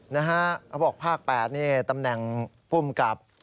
เขาบอกภาค๘นี่ตำแหน่งภูมิกับ